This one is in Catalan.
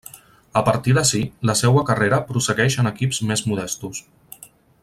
A partir d'ací, la seua carrera prossegueix en equips més modestos.